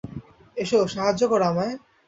এসো, সাহায্য করো আমায়।